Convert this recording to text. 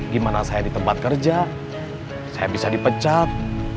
gimana saya di tempat kerja saya bisa dipecat